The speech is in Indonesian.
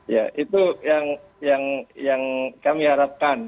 ya itu yang kami harapkan